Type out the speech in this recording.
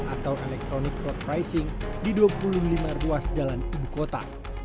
atau electronic road pricing di dua puluh lima ruas jalan ibu kota